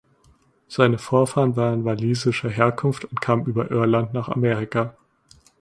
Seine Vorfahren waren walisischer Herkunft und kamen über Irland nach Amerika.